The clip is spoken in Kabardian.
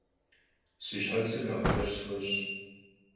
Si şhetsır nexh ç'eş' sxueş'.